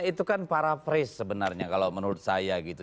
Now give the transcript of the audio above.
itu kan paraphrase sebenarnya kalau menurut saya gitu